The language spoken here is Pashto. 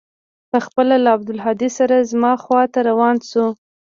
پخپله له عبدالهادي سره زما خوا ته راروان سو.